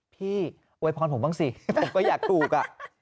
โวยพรผมบ้างสิผมก็อยากถูก